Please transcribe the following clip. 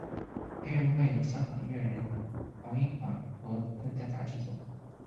配乐部分由香港音乐人黄英华和郑嘉嘉制作。